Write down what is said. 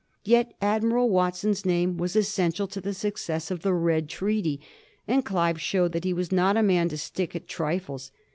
Yet Admiral Wat son's name was essential to the success of the Red Treaty, and Clive showed that he was not a man to stick at tri fles.